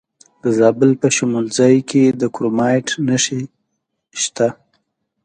د زابل په شمولزای کې د کرومایټ نښې شته.